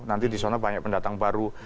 nanti di sana banyak pendatang baru